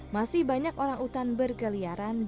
masih banyak orang utan berkeliaran di sana